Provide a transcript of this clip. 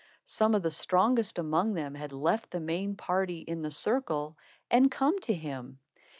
Some of the strongest among them had left the main party in the circle and come to him.